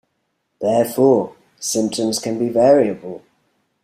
Therefore, symptoms can be variable.